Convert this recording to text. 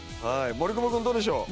森久保君どうでしょう？